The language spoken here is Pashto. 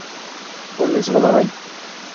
و مي ځغلوی .